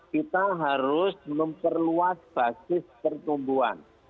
kita harus memperluas basis pertumbuhan